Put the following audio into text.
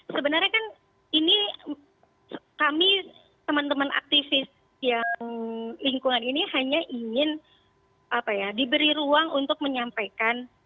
sebenarnya kan ini kami teman teman aktivis yang lingkungan ini hanya ingin diberi ruang untuk menyampaikan